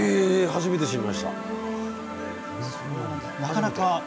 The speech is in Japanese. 初めて知りました。